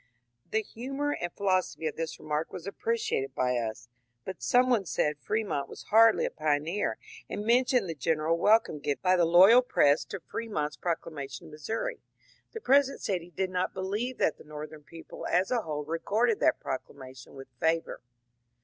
The humour and philosophy of this remark was appreciated by us, but some one said Fremont was hardly a pioneer, and mentioned the general welcome given by the loyal press to Fremont's proclamation in Missouri. The President said he did not believe that the Northern people as a whole regarded that proclamation with favour.